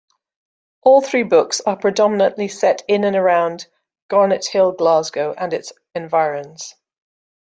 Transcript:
All three books are predominantly set in and around Garnethill, Glasgow, and its environs.